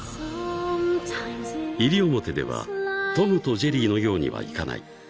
［西表では『トムとジェリー』のようにはいかない］